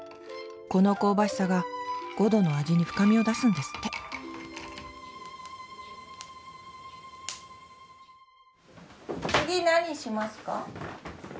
この香ばしさがごどの味に深みを出すんですって次何しますか？